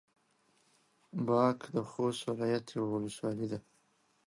باک د خوست ولايت يوه ولسوالي ده.